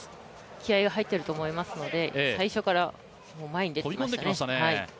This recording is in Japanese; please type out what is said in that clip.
気合いが入っていると思いますので、最初から前に飛び込んできましたね。